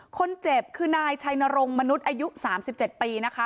คนเจ็บคือนายชัยนรงค์มนุษย์อายุ๓๗ปีนะคะ